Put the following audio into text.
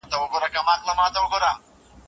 چې موږ یې پورته کړی دی.